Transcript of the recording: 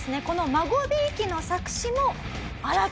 この『孫びいき』の作詞も。